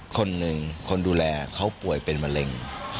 คนหนึ่งคนดูแลเขาป่วยเป็นมะเร็ง